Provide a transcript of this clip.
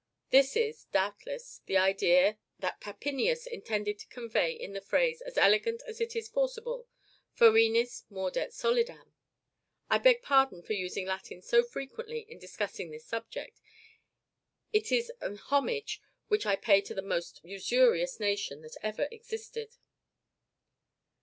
This is, doubtless, the idea that Papinius intended to convey in the phrase, as elegant as it is forcible Foenus mordet solidam. I beg pardon for using Latin so frequently in discussing this subject; it is an homage which I pay to the most usurious nation that ever existed.